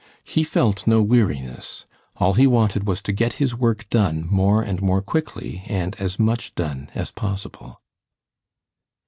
He felt no weariness; all he wanted was to get his work done more and more quickly and as much done as possible.